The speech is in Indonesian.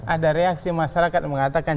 ada reaksi masyarakat mengatakan